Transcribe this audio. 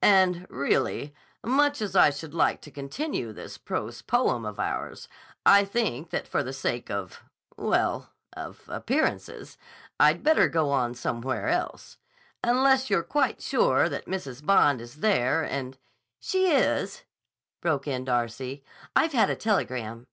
And, really, much as I should like to continue this prose poem of ours, I think that for the sake of—well, of appearances, I'd better go on somewhere else. Unless you're quite sure that Mrs. Bond is there and—" "She is," broke in Darcy. "I've had a telegram."